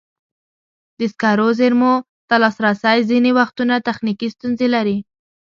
د سکرو زېرمو ته لاسرسی ځینې وختونه تخنیکي ستونزې لري.